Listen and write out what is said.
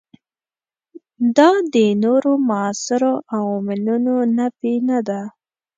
دا د نورو موثرو عواملونو نفي نه ده.